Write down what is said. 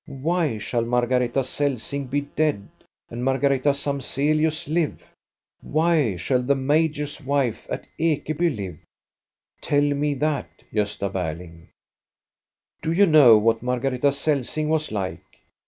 Why shall Margareta Celsing be dead, and Margareta INTRODUCTION 2i Samzelius live? Why shall the major's wife at Ekebjr live ?— tell me that, Gosta Berling. "Do you know what Margareta Celsing was like?